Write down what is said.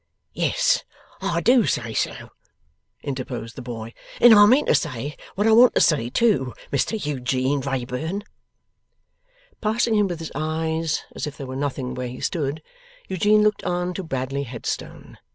'Yes, I do say so,' interposed the boy. 'And I mean to say what I want to say, too, Mr Eugene Wrayburn!' Passing him with his eyes as if there were nothing where he stood, Eugene looked on to Bradley Headstone.